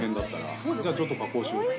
じゃあちょっと加工しようと。